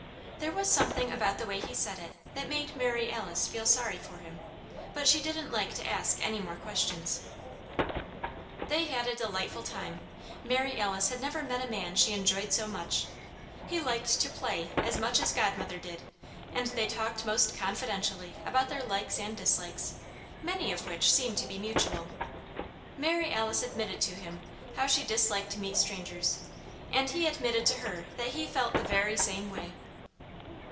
'" There was something about the way he said it that made Mary Alice feel sorry for him; but she didn't like to ask any more questions. They had a delightful time. Mary Alice had never met a man she enjoyed so much. He liked to "play" as much as Godmother did, and they talked most confidentially about their likes and dislikes, many of which seemed to be mutual. Mary Alice admitted to him how she disliked to meet strangers, and he admitted to her that he felt the very same way.